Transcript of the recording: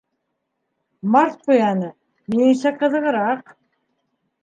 —Март Ҡуяны, минеңсә, ҡыҙығыраҡ.